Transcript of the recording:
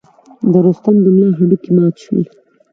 د رستم د ملا هډوکي مات شول.